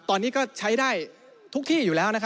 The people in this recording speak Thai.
ตอนนี้ก็ใช้ได้ทุกที่อยู่แล้ว